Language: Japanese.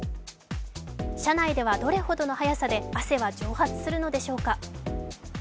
車内ではどれほどの早さで汗は蒸発するのでしょうか。